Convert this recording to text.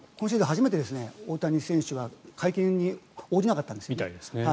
初めて大谷選手が会見に応じなかったんです。